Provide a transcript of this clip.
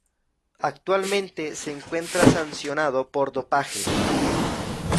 Actualmente se encuentra sancionado por dopaje.